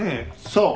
そう！